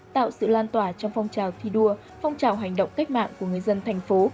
tạo sự lan tỏa trong phong trào thi đua phong trào hành động cách mạng của người dân thành phố